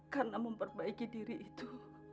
karena memperbaiki diri itu